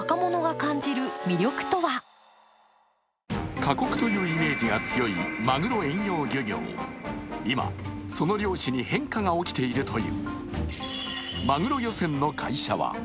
過酷というイメージが強いまぐろ遠洋漁業に今、その漁師に変化が起きているという。